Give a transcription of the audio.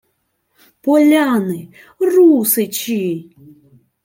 — Поляни! Русичі!..